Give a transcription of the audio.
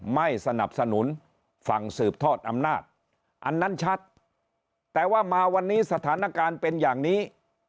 ไม่สนับสนุนฝั่งสืบทอดอำนาจอันนั้นชัดแต่ว่ามาวันนี้สถานการณ์เป็นอย่างนี้